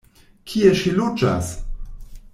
Kie ŝi loĝas?